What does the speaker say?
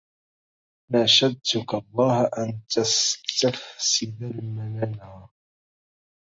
ناشدتك الله أن تستفسد المننا